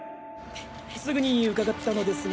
すぐに伺ったのですが。